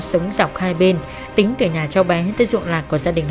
sống dọc hai bên tính từ nhà cháu bé tới ruộng lạc của gia đình